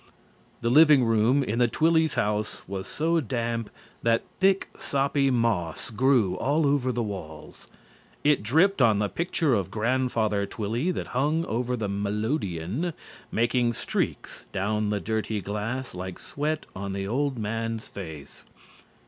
The living room in the Twillys' house was so damp that thick, soppy moss grew all over the walls. It dripped on the picture of Grandfather Twilly that hung over the melodeon, making streaks down the dirty glass like sweat on the old man's face.